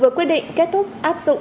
vừa quyết định kết thúc áp dụng